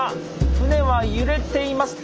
船は揺れています。